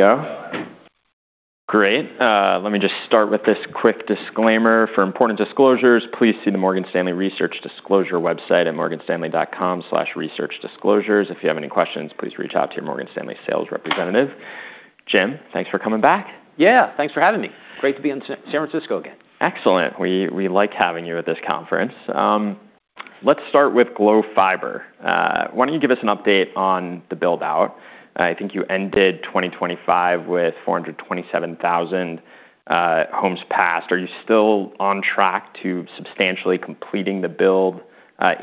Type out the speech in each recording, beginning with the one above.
Good to go? Great. Let me just start with this quick disclaimer. For important disclosures, please see the Morgan Stanley Research Disclosure website at morganstanley.com/researchdisclosures. If you have any questions, please reach out to your Morgan Stanley sales representative. Jim, thanks for coming back. Yeah, thanks for having me. Great to be in San Francisco again. Excellent. We like having you at this conference. Let's start with Glo Fiber. Why don't you give us an update on the build-out? I think you ended 2025 with 427,000 homes passed. Are you still on track to substantially completing the build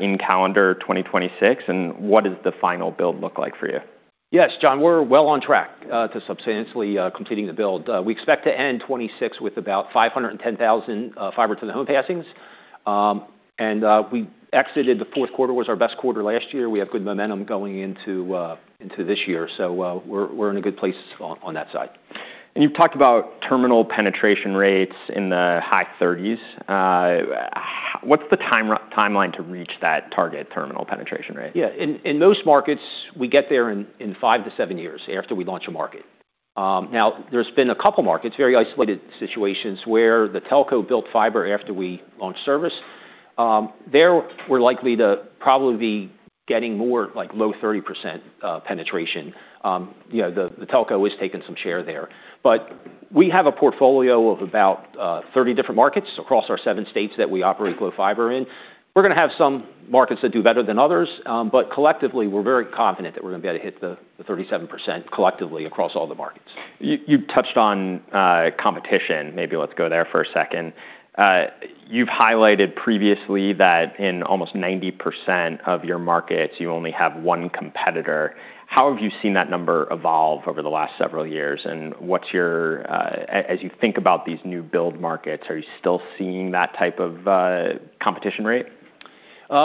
in calendar 2026? What does the final build look like for you? Yes, John, we're well on track to substantially completing the build. We expect to end 2026 with about 510,000 fiber to the home passings. We exited the Q4, was our best quarter last year. We have good momentum going into this year. We're in a good place on that side. You've talked about terminal penetration rates in the high thirties. What's the timeline to reach that target terminal penetration rate? Yeah. In those markets, we get there in five-seven years after we launch a market. Now there's been a couple markets, very isolated situations, where the telco built fiber after we launched service. There we're likely to probably be getting more like low 30% penetration. You know, the telco has taken some share there. We have a portfolio of about 30 different markets across our seven states that we operate Glo Fiber in. We're gonna have some markets that do better than others, but collectively, we're very confident that we're gonna be able to hit the 37% collectively across all the markets. You touched on competition. Maybe let's go there for a second. You've highlighted previously that in almost 90% of your markets, you only have one competitor. How have you seen that number evolve over the last several years, and what's your as you think about these new build markets, are you still seeing that type of competition rate?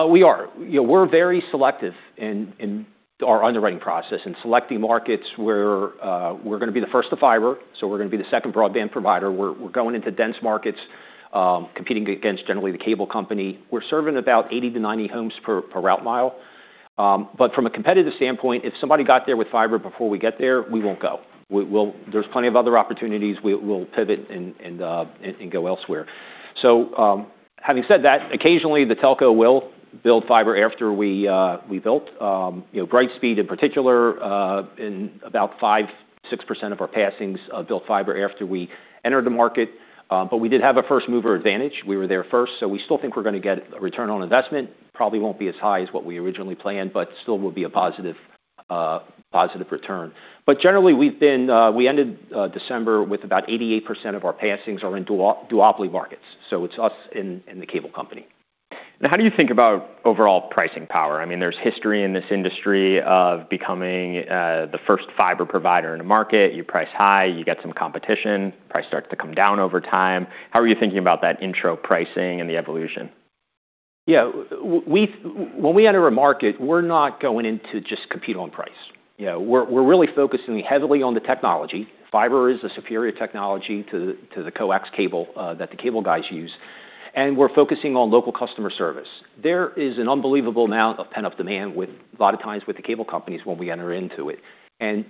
We are. You know, we're very selective in our underwriting process, in selecting markets where we're gonna be the first to fiber, so we're gonna be the second broadband provider. We're, we're going into dense markets, competing against generally the cable company. We're serving about 80-90 homes per route mile. From a competitive standpoint, if somebody got there with fiber before we get there, we won't go. There's plenty of other opportunities. We, we'll pivot and, and go elsewhere. Having said that, occasionally the telco will build fiber after we built. You know, Brightspeed in particular, in about 5%-6% of our passings, built fiber after we entered the market, but we did have a first mover advantage. We were there first. We still think we're gonna get a return on investment. Probably won't be as high as what we originally planned, but still will be a positive return. Generally, we ended December with about 88% of our passings are in duopoly markets. It's us and the cable company. How do you think about overall pricing power? I mean, there's history in this industry of becoming the first fiber provider in a market. You price high, you get some competition, price starts to come down over time. How are you thinking about that intro pricing and the evolution? Yeah. When we enter a market, we're not going in to just compete on price. You know, we're really focusing heavily on the technology. Fiber is a superior technology to the, to the coax cable that the cable guys use, and we're focusing on local customer service. There is an unbelievable amount of pent-up demand with a lot of times with the cable companies when we enter into it.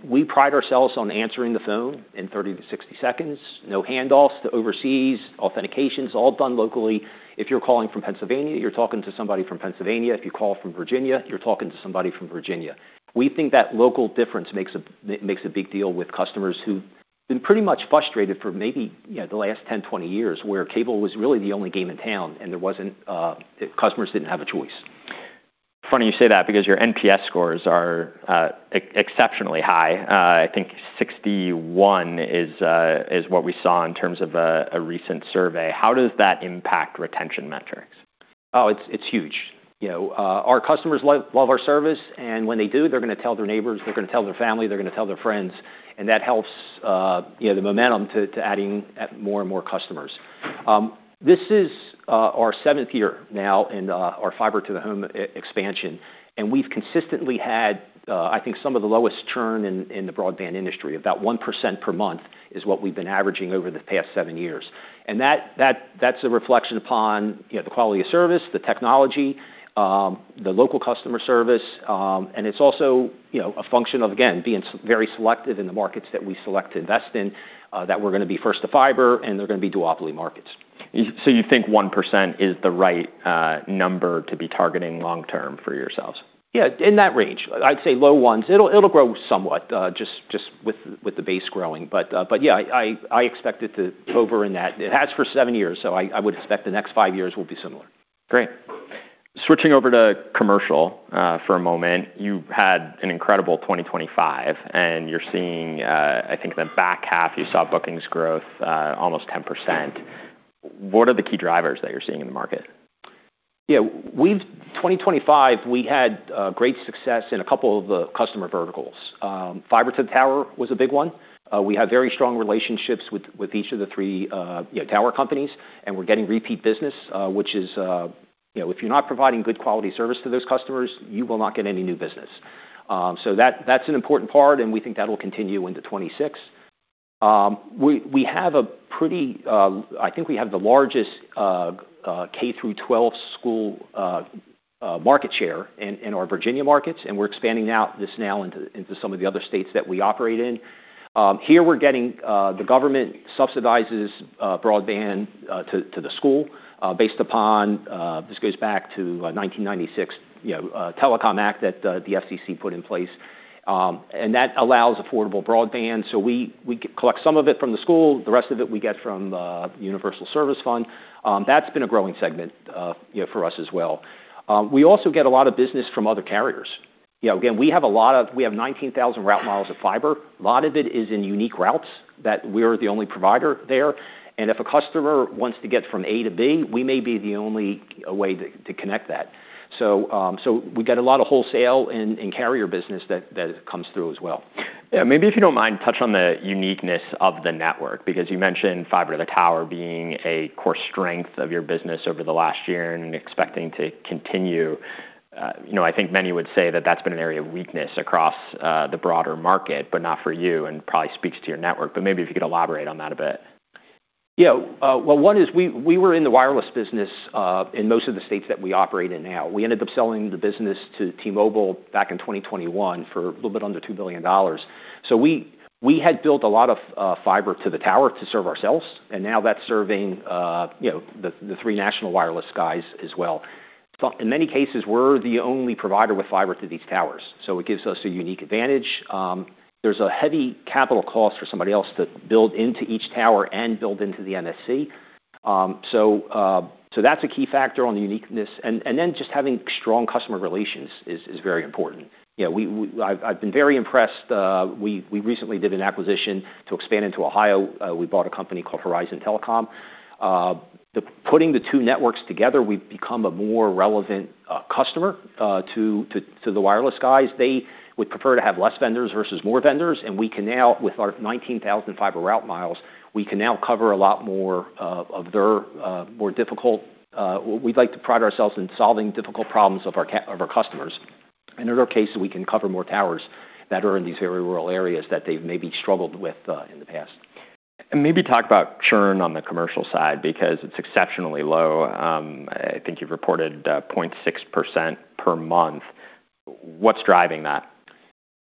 We pride ourselves on answering the phone in 30-60 seconds. No handoffs to overseas. Authentication's all done locally. If you're calling from Pennsylvania, you're talking to somebody from Pennsylvania. If you call from Virginia, you're talking to somebody from Virginia. We think that local difference makes a big deal with customers who've been pretty much frustrated for maybe, you know, the last 10, 20 years, where cable was really the only game in town, and there wasn't customers didn't have a choice. Funny you say that because your NPS scores are exceptionally high. I think 61 is what we saw in terms of a recent survey. How does that impact retention metrics? It's huge. You know, our customers love our service, when they do, they're gonna tell their neighbors, they're gonna tell their family, they're gonna tell their friends, that helps, you know, the momentum to adding more and more customers. This is our seventh year now in our fiber to the home expansion, we've consistently had, I think some of the lowest churn in the broadband industry. About 1% per month is what we've been averaging over the past seven years. That's a reflection upon, you know, the quality of service, the technology, the local customer service. It's also, you know, a function of, again, being very selective in the markets that we select to invest in, that we're gonna be first to fiber and they're gonna be duopoly markets. You think 1% is the right number to be targeting long term for yourselves? Yeah, in that range. I'd say low ones. It'll, it'll grow somewhat, just with the base growing. Yeah, I expect it to hover in that. It has for seven years. I would expect the next five years will be similar. Great. Switching over to commercial, for a moment. You had an incredible 2025, and you're seeing, I think in the back half you saw bookings growth, almost 10%. What are the key drivers that you're seeing in the market? 2025, we had great success in a couple of the customer verticals. Fiber to the tower was a big one. We have very strong relationships with each of the three, you know, tower companies, and we're getting repeat business, which is, you know, if you're not providing good quality service to those customers, you will not get any new business. That's an important part, and we think that'll continue into 26. We have a pretty, I think we have the largest K-12 school market share in our Virginia markets, and we're expanding out this now into some of the other states that we operate in. Here we're getting the government subsidizes broadband to the school based upon this goes back to 1996, you know, Telecom Act that the FCC put in place. That allows affordable broadband. We collect some of it from the school, the rest of it we get from Universal Service Fund. That's been a growing segment, you know, for us as well. We also get a lot of business from other carriers. You know, again, we have 19,000 route miles of fiber. A lot of it is in unique routes that we're the only provider there. If a customer wants to get from A-B, we may be the only way to connect that. We get a lot of wholesale and carrier business that comes through as well. Yeah. Maybe if you don't mind, touch on the uniqueness of the network, because you mentioned fiber to the tower being a core strength of your business over the last year and expecting to continue. You know, I think many would say that that's been an area of weakness across the broader market, but not for you and probably speaks to your network. Maybe if you could elaborate on that a bit. Well, one is we were in the wireless business in most of the states that we operate in now. We ended up selling the business to T-Mobile back in 2021 for a little bit under $2 billion. We had built a lot of fiber to the tower to serve ourselves, and now that's serving, you know, the three national wireless guys as well. In many cases, we're the only provider with fiber to these towers, so it gives us a unique advantage. There's a heavy capital cost for somebody else to build into each tower and build into the MSC. That's a key factor on the uniqueness. Then just having strong customer relations is very important. You know, I've been very impressed. We recently did an acquisition to expand into Ohio. We bought a company called Horizon Telecom. Putting the two networks together, we've become a more relevant customer to the wireless guys. They would prefer to have less vendors versus more vendors. We can now, with our 19,000 fiber route miles, we can now cover a lot more of their more difficult... We'd like to pride ourselves in solving difficult problems of our customers. In our case, we can cover more towers that are in these very rural areas that they've maybe struggled with in the past. Maybe talk about churn on the commercial side because it's exceptionally low. I think you've reported, 0.6% per month. What's driving that?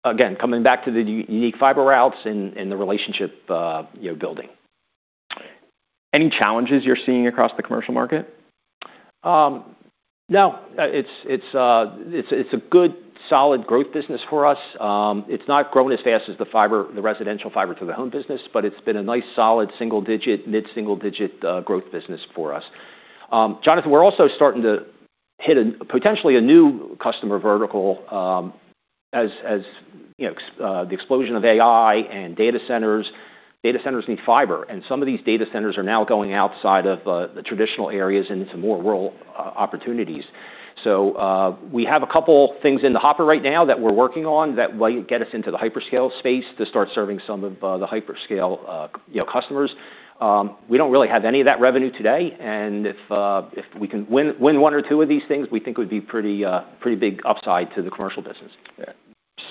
Again, coming back to the unique fiber routes and the relationship, you know, building. Any challenges you're seeing across the commercial market? No. It's a good solid growth business for us. It's not grown as fast as the fiber, the residential fiber to the home business, but it's been a nice solid single digit, mid-single digit growth business for us. Jonathan, we're also starting to hit a potentially a new customer vertical, as, you know, the explosion of AI and data centers. Data centers need fiber, and some of these data centers are now going outside of the traditional areas and into more rural opportunities. We have a couple things in the hopper right now that we're working on that will get us into the hyperscale space to start serving some of the hyperscale, you know, customers. We don't really have any of that revenue today, and if we can win one or two of these things, we think it would be pretty big upside to the commercial business. Yeah.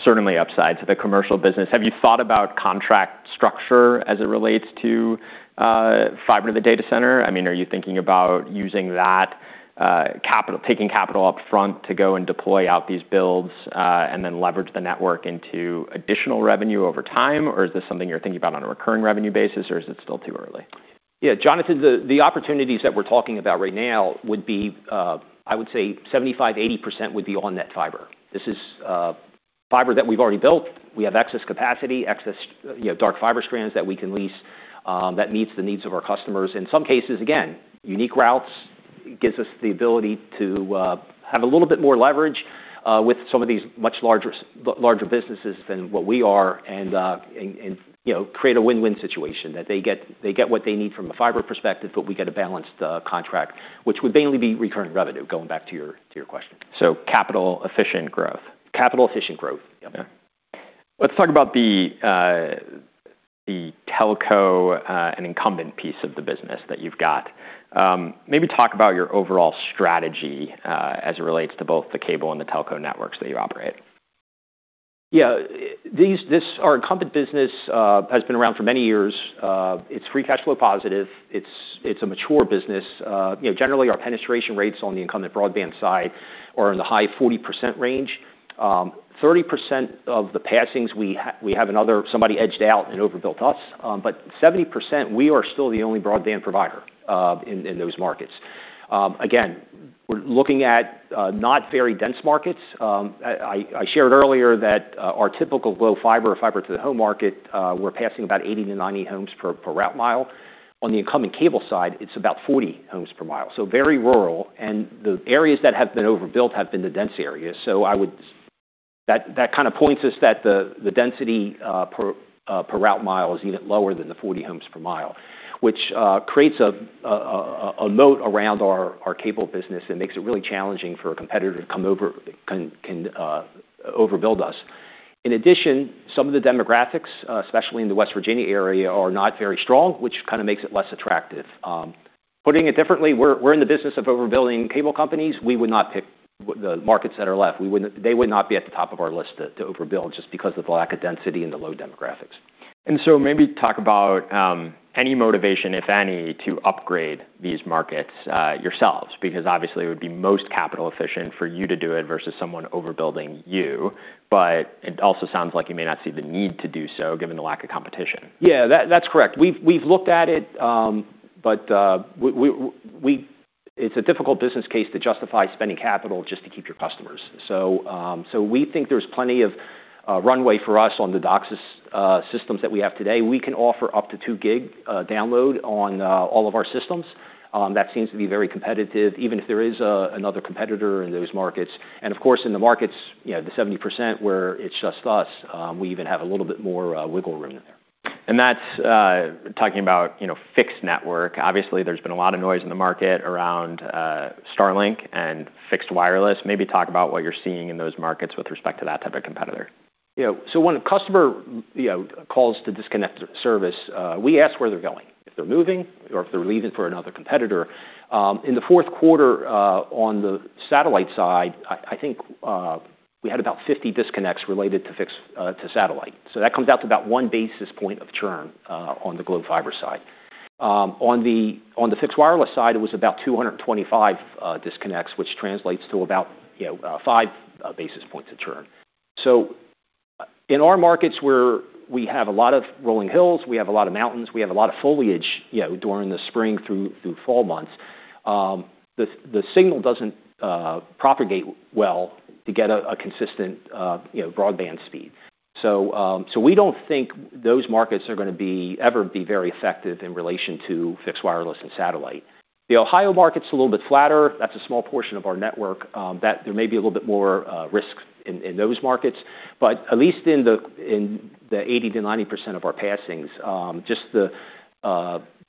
Certainly upside to the commercial business. Have you thought about contract structure as it relates to fiber to the data center? I mean, are you thinking about using that taking capital up front to go and deploy out these builds, and then leverage the network into additional revenue over time? Or is this something you're thinking about on a recurring revenue basis, or is it still too early? Jonathan, the opportunities that we're talking about right now would be, I would say 75%-80% would be on net fiber. This is fiber that we've already built. We have excess capacity, excess, you know, dark fiber strands that we can lease, that meets the needs of our customers. In some cases, again, unique routes gives us the ability to have a little bit more leverage with some of these much larger businesses than what we are and, you know, create a win-win situation that they get, they get what they need from a fiber perspective, but we get a balanced contract, which would mainly be recurring revenue, going back to your question. Capital efficient growth. Capital efficient growth. Yep. Okay. Let's talk about the the telco and incumbent piece of the business that you've got. Maybe talk about your overall strategy as it relates to both the cable and the telco networks that you operate. Yeah. Our incumbent business has been around for many years. It's a mature business. You know, generally our penetration rates on the incumbent broadband side are in the high 40% range. 30% of the passings, we have another somebody edged out and overbuilt us. 70%, we are still the only broadband provider in those markets. Again, we're looking at not very dense markets. I shared earlier that our typical Glo Fiber, fiber to the home market, we're passing about 80-90 homes per route mile. On the incumbent cable side, it's about 40 homes per mile. So very rural. The areas that have been overbuilt have been the dense areas. I would that kind of points us that the density per per route mile is even lower than the 40 homes per mile, which creates a note around our cable business and makes it really challenging for a competitor to come over and can overbuild us. In addition, some of the demographics, especially in the West Virginia area, are not very strong, which kind of makes it less attractive. Putting it differently, we're in the business of overbuilding cable companies. We would not pick the markets that are left. They would not be at the top of our list to overbuild just because of the lack of density and the low demographics. Maybe talk about any motivation, if any, to upgrade these markets yourselves, because obviously it would be most capital efficient for you to do it versus someone overbuilding you. It also sounds like you may not see the need to do so given the lack of competition. Yeah. That's correct. We've looked at it's a difficult business case to justify spending capital just to keep your customers. We think there's plenty of runway for us on the DOCSIS systems that we have today. We can offer up to two gig download on all of our systems. That seems to be very competitive, even if there is another competitor in those markets. Of course, in the markets, you know, the 70% where it's just us, we even have a little bit more wiggle room in there. That's, you know, talking about fixed network. Obviously, there's been a lot of noise in the market around Starlink and fixed wireless. Maybe talk about what you're seeing in those markets with respect to that type of competitor. You know, when a customer, you know, calls to disconnect service, we ask where they're going, if they're moving or if they're leaving for another competitor. In the Q4, on the satellite side, I think, we had about 50 disconnects related to fixed, to satellite. That comes out to about one basis point of churn on the Glo Fiber side. On the fixed wireless side, it was about 225 disconnects, which translates to about, you know, five basis points of churn. In our markets where we have a lot of rolling hills, we have a lot of mountains, we have a lot of foliage, you know, during the spring through fall months, the signal doesn't propagate well to get a consistent, you know, broadband speed. We don't think those markets are gonna ever be very effective in relation to fixed wireless and satellite. The Ohio market's a little bit flatter. That's a small portion of our network, that there may be a little bit more risk in those markets. At least in the 80%-90% of our passings, just the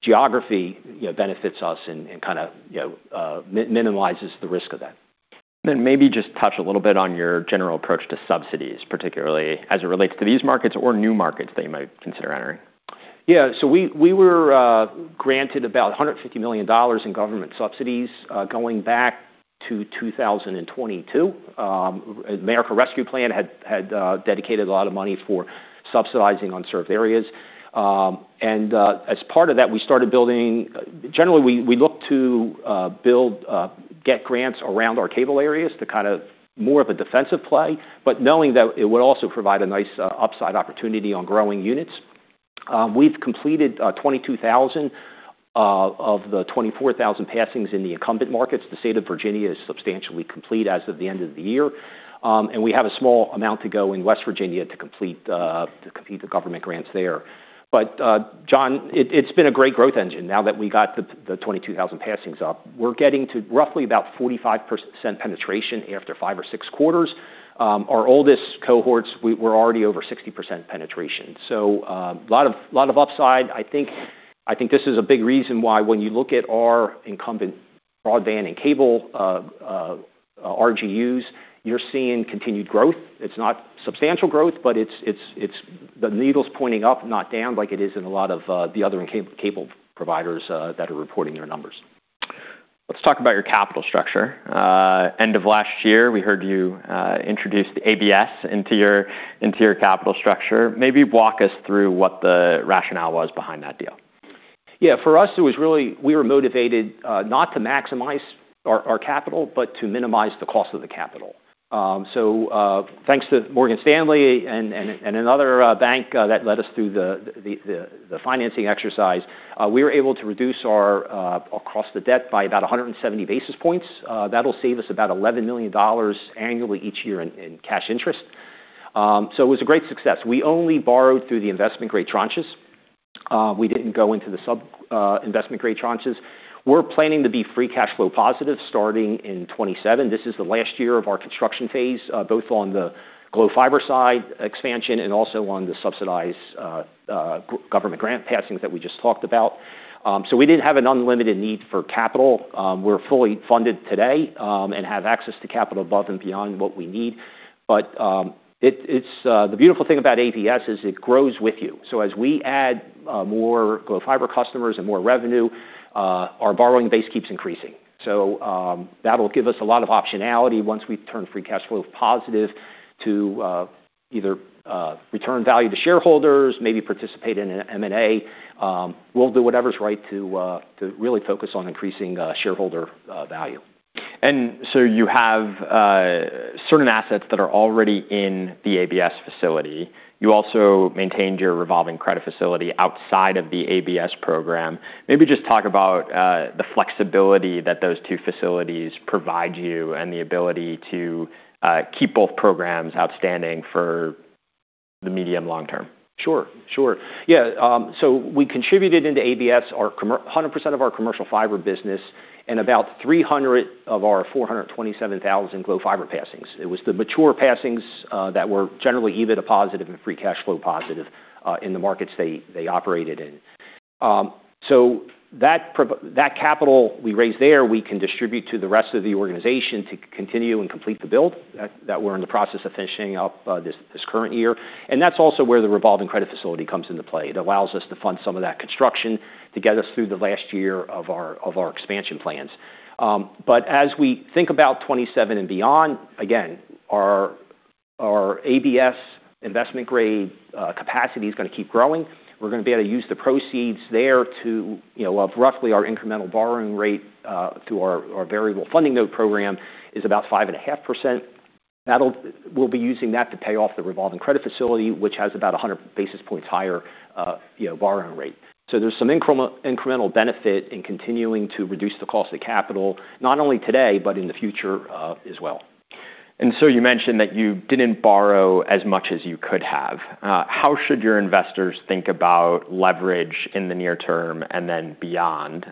geography, you know, benefits us and kinda, you know, minimizes the risk of that. Maybe just touch a little bit on your general approach to subsidies, particularly as it relates to these markets or new markets that you might consider entering. Yeah. We were granted about $150 million in government subsidies going back to 2022. American Rescue Plan had dedicated a lot of money for subsidizing unserved areas. As part of that, we started building. Generally, we looked to build get grants around our cable areas to kind of more of a defensive play, but knowing that it would also provide a nice upside opportunity on growing units. We've completed 22,000 of the 24,000 passings in the incumbent markets. The State of Virginia is substantially complete as of the end of the year. We have a small amount to go in West Virginia to complete the government grants there. John, it's been a great growth engine now that we got the 22,000 passings up. We're getting to roughly about 45% penetration after five or six quarters. Our oldest cohorts, we're already over 60% penetration. A lot of upside. I think this is a big reason why when you look at our incumbent broadband and cable RGUs, you're seeing continued growth. It's not substantial growth, but it's the needle's pointing up, not down like it is in a lot of the other cable providers that are reporting their numbers. Let's talk about your capital structure. End of last year, we heard you introduce the ABS into your capital structure. Maybe walk us through what the rationale was behind that deal. Yeah. For us, it was really we were motivated not to maximize our capital, but to minimize the cost of the capital. Thanks to Morgan Stanley and another bank that led us through the financing exercise, we were able to reduce our cost of debt by about 170 basis points. That'll save us about $11 million annually each year in cash interest. It was a great success. We only borrowed through the investment-grade tranches. We didn't go into the sub investment-grade tranches. We're planning to be free cash flow positive starting in 2027. This is the last year of our construction phase, both on the Glo Fiber side expansion and also on the subsidized government grant passings that we just talked about. We didn't have an unlimited need for capital. We're fully funded today, and have access to capital above and beyond what we need. It's the beautiful thing about ABS is it grows with you. As we add more Glo Fiber customers and more revenue, our borrowing base keeps increasing. That'll give us a lot of optionality once we turn free cash flow positive to either return value to shareholders, maybe participate in an M&A. We'll do whatever is right to really focus on increasing shareholder value. You have certain assets that are already in the ABS facility. You also maintained your revolving credit facility outside of the ABS program. Maybe just talk about the flexibility that those two facilities provide you and the ability to keep both programs outstanding for the medium long term. Sure. Sure. Yeah. We contributed into ABS 100% of our commercial fiber business and about 300 of our 427,000 Glo Fiber passings. It was the mature passings that were generally EBITDA positive and free cash flow positive in the markets they operated in. That capital we raised there, we can distribute to the rest of the organization to continue and complete the build that we're in the process of finishing up this current year. That's also where the revolving credit facility comes into play. It allows us to fund some of that construction to get us through the last year of our expansion plans. As we think about 2027 and beyond, again, our ABS investment-grade capacity is gonna keep growing. We're gonna be able to use the proceeds there to, you know, of roughly our incremental borrowing rate through our variable funding note program is about 5.5%. We'll be using that to pay off the revolving credit facility, which has about 100 basis points higher, you know, borrowing rate. There's some incremental benefit in continuing to reduce the cost of capital, not only today, but in the future as well. You mentioned that you didn't borrow as much as you could have. How should your investors think about leverage in the near term and then beyond?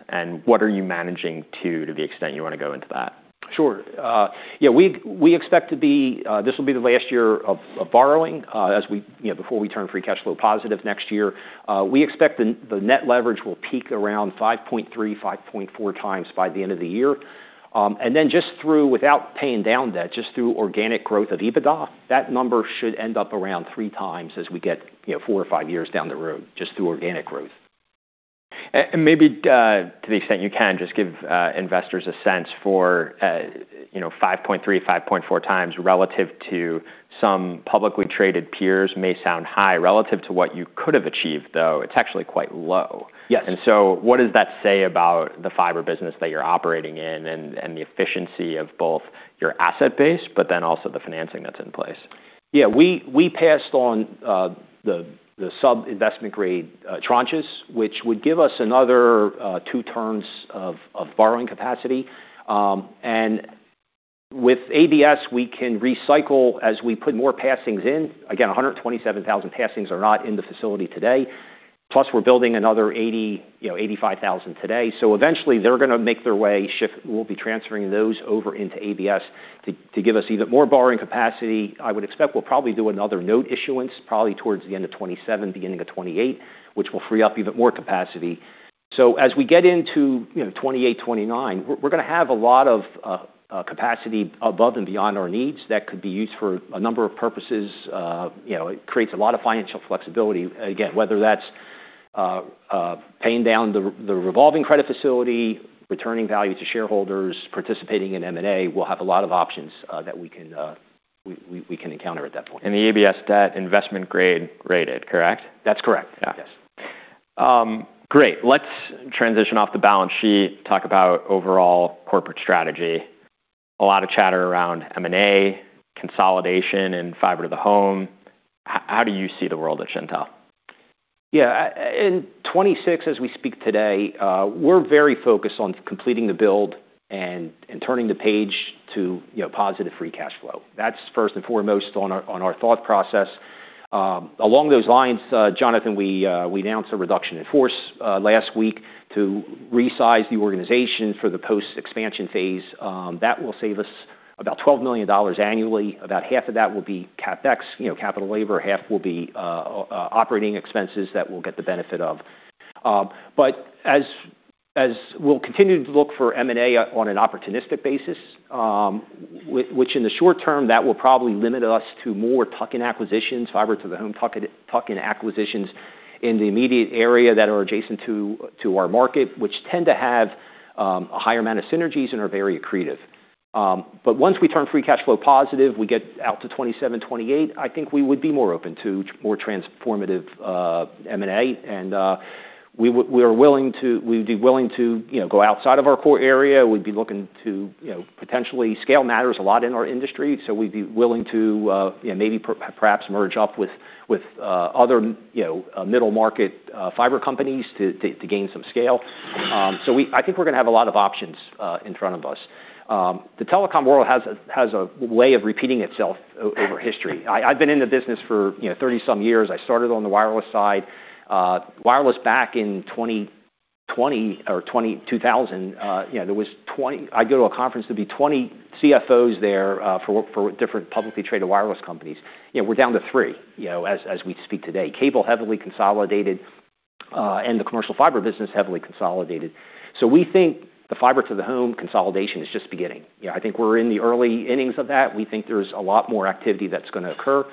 What are you managing to the extent you wanna go into that? Sure. Yeah, we, this will be the last year of borrowing, you know, before we turn free cash flow positive next year. We expect the net leverage will peak around 5.3x, 5.4x by the end of the year. Just through, without paying down debt, just through organic growth of EBITDA, that number should end up around 3x as we get, you know, four or five years down the road, just through organic growth. Maybe, to the extent you can just give investors a sense for, you know, 5.3x, 5.4x relative to some publicly traded peers may sound high relative to what you could have achieved, though it's actually quite low. Yes. What does that say about the fiber business that you're operating in and the efficiency of both your asset base, but then also the financing that's in place? Yeah. We, we passed on the sub-investment-grade tranches, which would give us another two turns of borrowing capacity. With ABS, we can recycle as we put more passings in. Again, 127,000 passings are not in the facility today, plus we're building another 85,000 today. Eventually they're gonna make their way. We'll be transferring those over into ABS to give us even more borrowing capacity. I would expect we'll probably do another note issuance probably towards the end of 2027, beginning of 2028, which will free up even more capacity. As we get into, you know, 2028, 2029, we're gonna have a lot of capacity above and beyond our needs that could be used for a number of purposes. You know, it creates a lot of financial flexibility. Again, whether that's paying down the revolving credit facility, returning value to shareholders, participating in M&A, we'll have a lot of options that we can encounter at that point. The ABS debt investment-grade rated, correct? That's correct. Yeah. Yes. Great. Let's transition off the balance sheet, talk about overall corporate strategy. A lot of chatter around M&A consolidation and fiber to the home. How do you see the world at Shentel? Yeah. In '26, as we speak today, we're very focused on completing the build and turning the page to, you know, positive free cash flow. That's first and foremost on our thought process. Along those lines, Jonathan, we announced a reduction in force last week to resize the organization for the post-expansion phase. That will save us about $12 million annually. About half of that will be CapEx, you know, capital labor, half will be operating expenses that we'll get the benefit of. As we'll continue to look for M&A on an opportunistic basis, which in the short term, that will probably limit us to more tuck-in acquisitions, fiber to the home tuck-in acquisitions in the immediate area that are adjacent to our market, which tend to have a higher amount of synergies and are very accretive. Once we turn free cash flow positive, we get out to 2027, 2028, I think we would be more open to more transformative M&A. We'd be willing to, you know, go outside of our core area. We'd be looking to, you know, potentially scale matters a lot in our industry, so we'd be willing to, you know, maybe perhaps merge up with other, you know, middle market fiber companies to gain some scale. I think we're gonna have a lot of options in front of us. The telecom world has a way of repeating itself over history. I've been in the business for, you know, 30-some years. I started on the wireless side. Wireless back in 2000, you know, there was 20, I'd go to a conference, there'd be 20 CFOs there for different publicly traded wireless companies. You know, we're down to three, you know, as we speak today. Cable heavily consolidated, the commercial fiber business heavily consolidated. We think the fiber to the home consolidation is just beginning. You know, I think we're in the early innings of that. We think there's a lot more activity that's going to occur.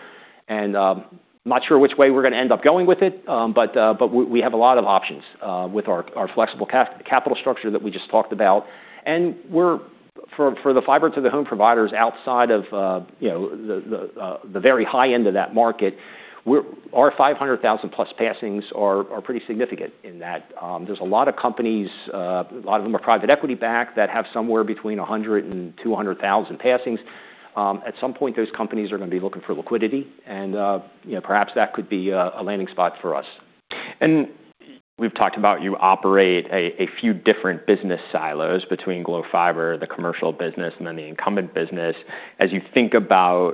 Not sure which way we're going to end up going with it, but we have a lot of options with our flexible capital structure that we just talked about. For the fiber to the home providers outside of the very high end of that market, our 500,000 plus passings are pretty significant in that there's a lot of companies, a lot of them are private equity backed, that have somewhere between 100,000, 200,000 passings. At some point, those companies are gonna be looking for liquidity and, you know, perhaps that could be a landing spot for us. We've talked about you operate a few different business silos between Glo Fiber, the commercial business, and then the incumbent business. As you think about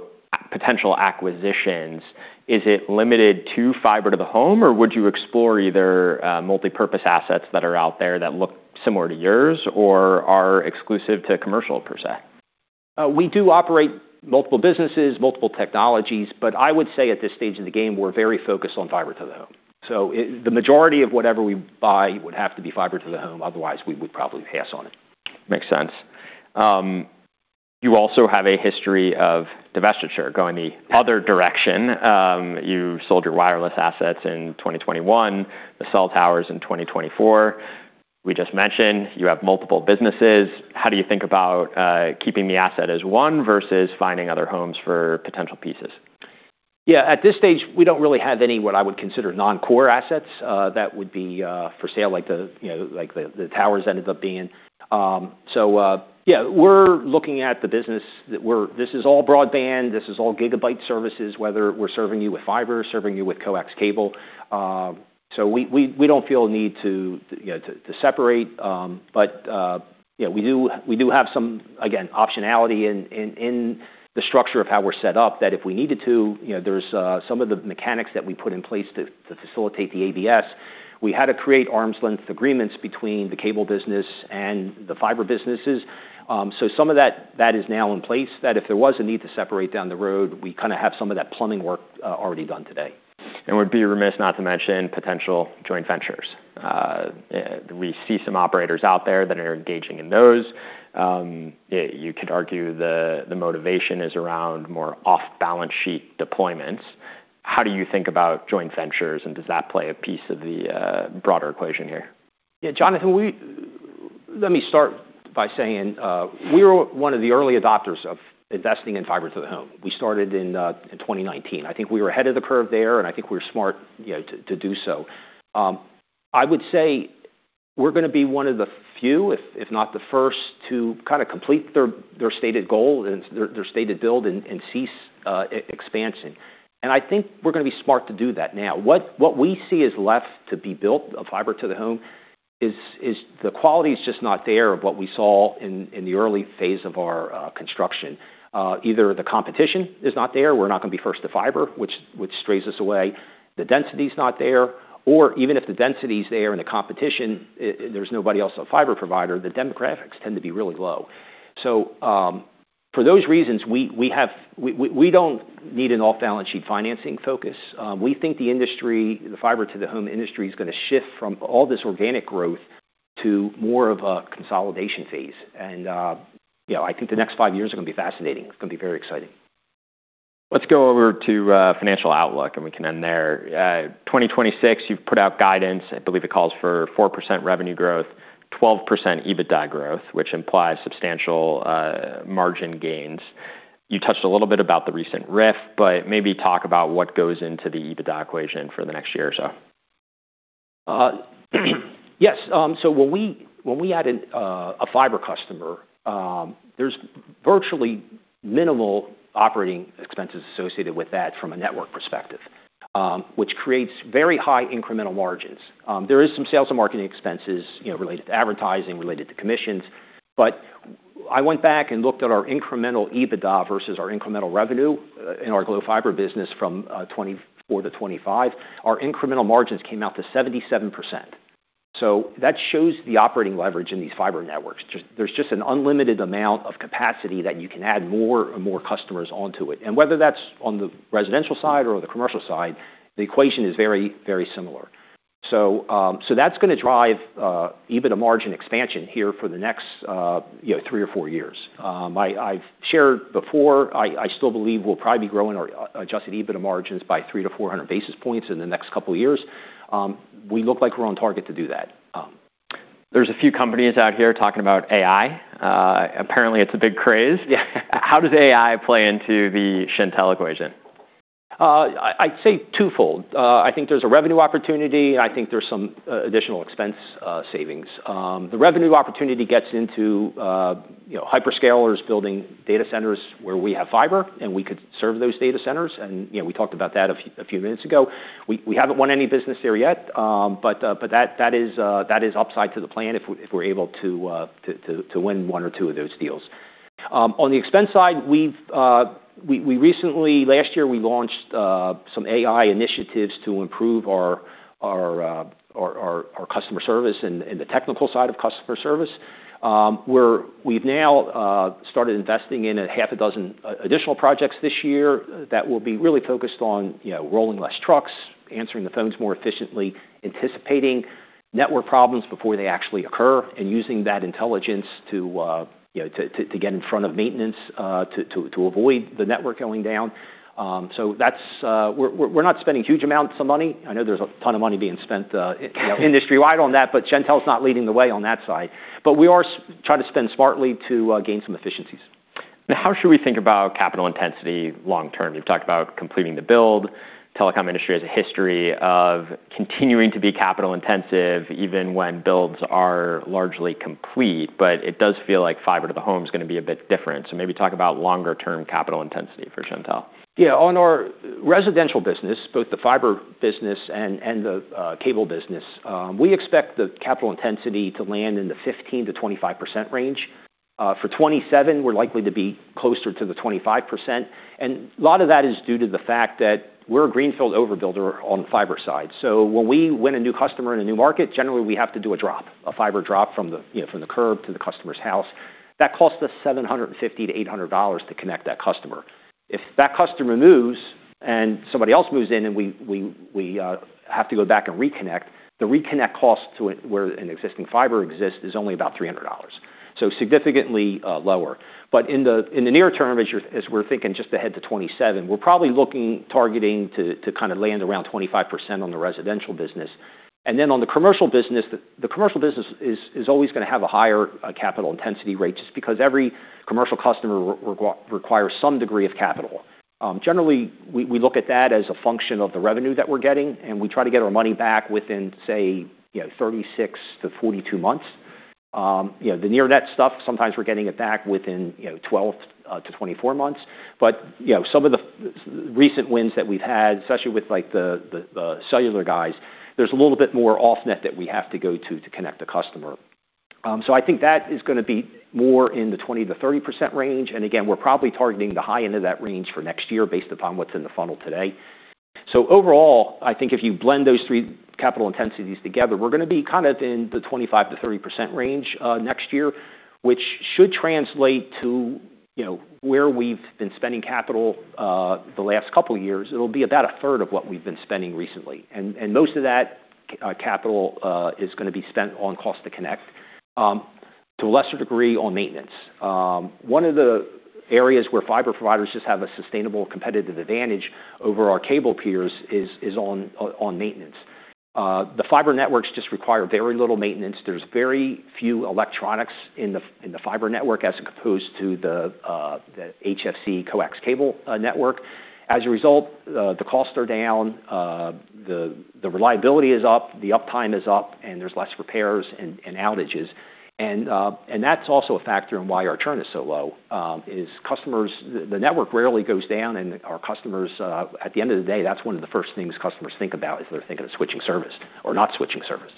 potential acquisitions, is it limited to fiber to the home, or would you explore either multipurpose assets that are out there that look similar to yours or are exclusive to commercial per se? We do operate multiple businesses, multiple technologies, but I would say at this stage in the game, we're very focused on fiber to the home. The majority of whatever we buy would have to be fiber to the home, otherwise we would probably pass on it. Makes sense. You also have a history of divestiture going the other direction. You sold your wireless assets in 2021, the cell towers in 2024. We just mentioned you have multiple businesses. How do you think about keeping the asset as one versus finding other homes for potential pieces? At this stage, we don't really have any what I would consider non-core assets, that would be, for sale, like the, you know, like the towers ended up being. We're looking at the business that this is all broadband, this is all gigabyte services, whether we're serving you with fiber or serving you with coax cable. We don't feel a need to, you know, to separate. You know, we do have some, again, optionality in the structure of how we're set up that if we needed to, you know, there's, some of the mechanics that we put in place to facilitate the ABS. We had to create arm's length agreements between the cable business and the fiber businesses. Some of that is now in place, that if there was a need to separate down the road, we kinda have some of that plumbing work, already done today. We'd be remiss not to mention potential joint ventures. We see some operators out there that are engaging in those. You could argue the motivation is around more off balance sheet deployments. How do you think about joint ventures, and does that play a piece of the broader equation here? Yeah, Jonathan, let me start by saying, we were one of the early adopters of investing in fiber to the home. We started in 2019. I think we were ahead of the curve there. I think we were smart, you know, to do so. I would say we're gonna be one of the few, if not the first, to kinda complete their stated goal and their stated build and cease e-expansion. I think we're gonna be smart to do that now. What we see is left to be built of fiber to the home is the quality is just not there of what we saw in the early phase of our construction. Either the competition is not there, we're not gonna be first to fiber, which strays us away. The density is not there, or even if the density is there and the competition, there's nobody else, a fiber provider, the demographics tend to be really low. For those reasons, we don't need an off-balance sheet financing focus. We think the industry, the fiber to the home industry is gonna shift from all this organic growth to more of a consolidation phase. You know, I think the next five years are gonna be fascinating. It's gonna be very exciting. Let's go over to, financial outlook, and we can end there. 2026, you've put out guidance. I believe it calls for 4% revenue growth, 12% EBITDA growth, which implies substantial, margin gains. You touched a little bit about the recent RIF, but maybe talk about what goes into the EBITDA equation for the next year or so. Yes. When we, when we added a fiber customer, there's virtually minimal operating expenses associated with that from a network perspective, which creates very high incremental margins. There is some sales and marketing expenses, you know, related to advertising, related to commissions. I went back and looked at our incremental EBITDA versus our incremental revenue in our GloFiber business from 2024-2025. Our incremental margins came out to 77%. That shows the operating leverage in these fiber networks. There's just an unlimited amount of capacity that you can add more and more customers onto it. Whether that's on the residential side or the commercial side, the equation is very, very similar. That's gonna drive EBITDA margin expansion here for the next, you know, three or four years. I've shared before, I still believe we'll probably be growing our adjusted EBITDA margins by 300-400 basis points in the next couple of years. We look like we're on target to do that. There's a few companies out here talking about AI. Apparently it's a big craze. Yeah. How does AI play into the Shentel equation? I'd say twofold. I think there's a revenue opportunity, and I think there's some additional expense savings. The revenue opportunity gets into, you know, hyperscalers building data centers where we have fiber, and we could serve those data centers. You know, we talked about that a few minutes ago. We haven't won any business there yet, but that is upside to the plan if we're able to win one or two of those deals. On the expense side, we've recently, last year, we launched some AI initiatives to improve our customer service and the technical side of customer service. We've now started investing in a half a dozen additional projects this year that will be really focused on, you know, rolling less trucks, answering the phones more efficiently, anticipating network problems before they actually occur, and using that intelligence to, you know, to get in front of maintenance, to avoid the network going down. We're not spending huge amounts of money. I know there's a ton of money being spent, you know, industry-wide on that, but Shentel is not leading the way on that side. We are try to spend smartly to gain some efficiencies. Now, how should we think about capital intensity long term? You've talked about completing the build. Telecom industry has a history of continuing to be capital intensive even when builds are largely complete, but it does feel like fiber to the home is gonna be a bit different. Maybe talk about longer term capital intensity for Shentel. Yeah. On our residential business, both the fiber business and the cable business, we expect the capital intensity to land in the 15%-25% range. For 2027, we're likely to be closer to 25%. A lot of that is due to the fact that we're a greenfield overbuilder on the fiber side. When we win a new customer in a new market, generally we have to do a drop, a fiber drop from the, you know, from the curb to the customer's house. That costs us $750-$800 to connect that customer. If that customer moves and somebody else moves in and we have to go back and reconnect, the reconnect cost to it where an existing fiber exists is only about $300. Significantly lower. In the near term, as we're thinking just ahead to 2027, we're probably looking targeting to kind of land around 25% on the residential business. On the commercial business, the commercial business is always gonna have a higher capital intensity rate, just because every commercial customer requires some degree of capital. Generally, we look at that as a function of the revenue that we're getting, and we try to get our money back within, say, you know, 36-42 months. You know, the near net stuff, sometimes we're getting it back within, you know, 12-24 months. You know, some of the recent wins that we've had, especially with like the cellular guys, there's a little bit more off net that we have to go to to connect the customer. I think that is gonna be more in the 20%-30% range. Again, we're probably targeting the high end of that range for next year based upon what's in the funnel today. Overall, I think if you blend those three capital intensities together, we're gonna be kind of in the 25%-30% range next year, which should translate to, you know, where we've been spending capital the last couple years. It'll be about a third of what we've been spending recently. Most of that capital is gonna be spent on cost to connect to a lesser degree on maintenance. One of the areas where fiber providers just have a sustainable competitive advantage over our cable peers is on maintenance. The fiber networks just require very little maintenance. There's very few electronics in the fiber network as opposed to the HFC coax cable network. As a result, the costs are down, the reliability is up, the uptime is up, and there's less repairs and outages. That's also a factor in why our churn is so low, is customers, the network rarely goes down, and our customers, at the end of the day, that's one of the first things customers think about as they're thinking of switching service or not switching service.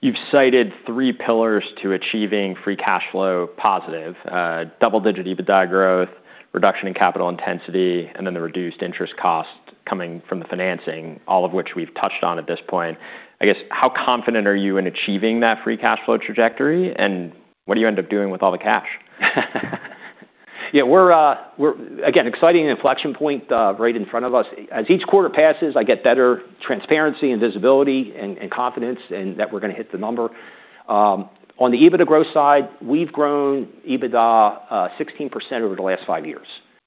You've cited three pillars to achieving free cash flow positive, double-digit EBITDA growth, reduction in capital intensity, and then the reduced interest cost coming from the financing, all of which we've touched on at this point. I guess, how confident are you in achieving that free cash flow trajectory, and what do you end up doing with all the cash? Yeah, we're again, exciting inflection point right in front of us. As each quarter passes, I get better transparency and visibility and confidence in that we're gonna hit the number. On the EBITDA growth side, we've grown EBITDA 16% over the last five years.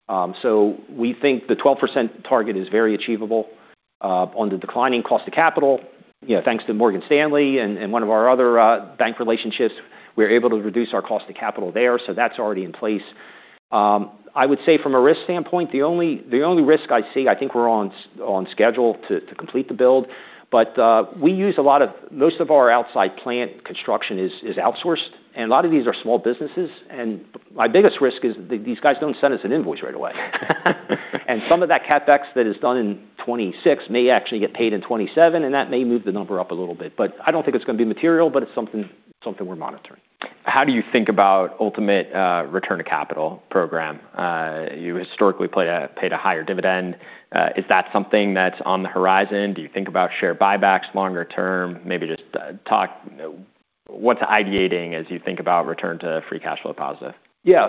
We think the 12% target is very achievable. On the declining cost of capital, you know, thanks to Morgan Stanley and one of our other bank relationships, we're able to reduce our cost of capital there. That's already in place. I would say from a risk standpoint, the only risk I see, I think we're on schedule to complete the build. We use most of our outside plant construction is outsourced, and a lot of these are small businesses. My biggest risk is these guys don't send us an invoice right away. Some of that CapEx that is done in 2026 may actually get paid in 2027, and that may move the number up a little bit. I don't think it's gonna be material, but it's something we're monitoring. How do you think about ultimate return to capital program? You historically paid a higher dividend. Is that something that's on the horizon? Do you think about share buybacks longer term? Maybe just talk what's ideating as you think about return to free cash flow positive. Yeah.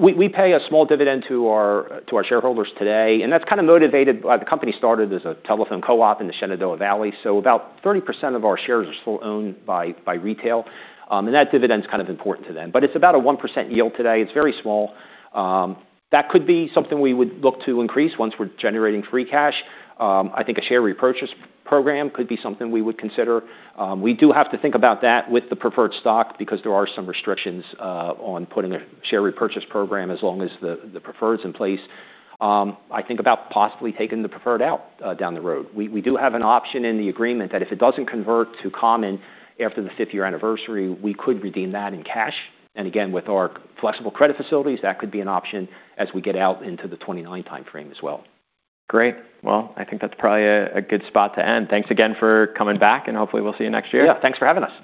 We pay a small dividend to our shareholders today, that's kinda motivated by the company started as a telephone co-op in the Shenandoah Valley. About 30% of our shares are still owned by retail, that dividend's kind of important to them. It's about a 1% yield today. It's very small. That could be something we would look to increase once we're generating free cash. I think a share repurchase program could be something we would consider. We do have to think about that with the preferred stock because there are some restrictions on putting a share repurchase program as long as the preferred's in place. I think about possibly taking the preferred out down the road. We do have an option in the agreement that if it doesn't convert to common after the fifth-year anniversary, we could redeem that in cash. Again, with our flexible credit facilities, that could be an option as we get out into the 2029 timeframe as well. Great. I think that's probably a good spot to end. Thanks again for coming back. Hopefully we'll see you next year. Yeah. Thanks for having us.